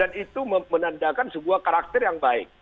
dan itu menandakan sebuah karakter yang baik